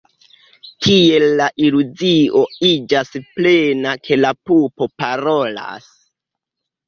Tiel la iluzio iĝas plena, ke la pupo parolas.